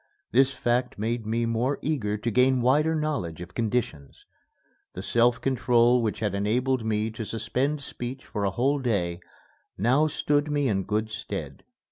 This fact made me more eager to gain wider knowledge of conditions. The self control which had enabled me to suspend speech for a whole day now stood me in good stead.